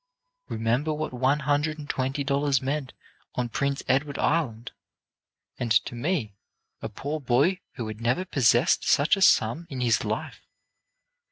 Remember what one hundred and twenty dollars meant on Prince Edward Island, and to me, a poor boy who had never possessed such a sum in his life.